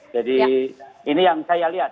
jadi ini yang saya lihat